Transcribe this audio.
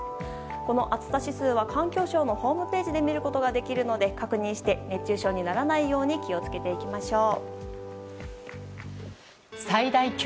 この暑さ指数は環境省のホームページで見ることができるので確認して熱中症にならないように気を付けていきましょう。